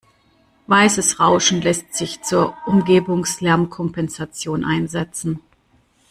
Weißes Rauschen lässt sich zur Umgebungslärmkompensation einsetzen.